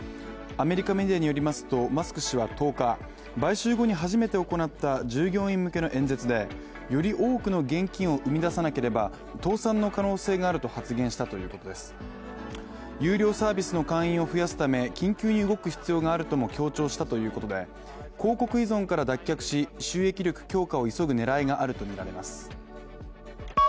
アメリカメディアによりますとマスク氏は１０日買収後に初めて行った従業員向けの演説でより多くの現金を生み出さなければ、倒産の可能性があると発言したということです有料サービスの会員を増やすため緊急に動く必要があるとも強調したということで、広告依存から脱却し、収益力強化を急ぐ狙いがあるとみられます。